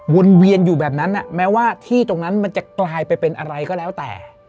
วนเวียนอยู่แบบนั้นแม้ว่าที่ตรงนั้นมันจะกลายไปเป็นอะไรก็แล้วแต่